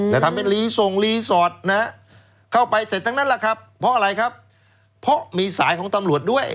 แต่ทำเป็นรีส่งรีสอร์ทนะฮะเข้าไปเสร็จทั้งนั้นแหละครับเพราะอะไรครับเพราะมีสายของตำรวจด้วย